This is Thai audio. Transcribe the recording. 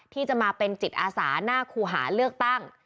ที่จะมาเป็นจิตอาสาหน้าครูหาเลือกตั้ง